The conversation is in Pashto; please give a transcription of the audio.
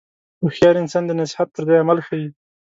هوښیار انسان د نصیحت پر ځای عمل ښيي.